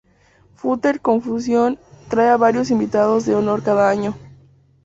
Further Confusion trae a varios invitados de honor cada año.